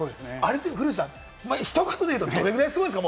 古内さん、ひと言で言うと、どれぐらいすごいんですか？